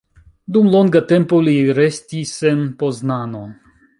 Dum longa tempo li restis en Poznano.